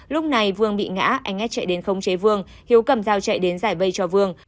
lúc này vương bị ngã anh s chạy đến không chế vương hiếu cầm dao chạy đến giải vây cho vương